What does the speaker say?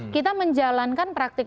kita menjalankan praktik